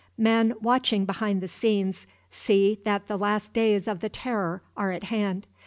Men watching behind the scenes see that the last days of the Terror are at hand.